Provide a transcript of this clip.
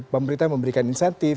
pemerintah memberikan insentif